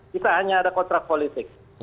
kita hanya ada kontrak politik